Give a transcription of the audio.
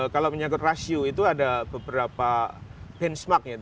kalau menyangkut rasio itu ada beberapa benchmark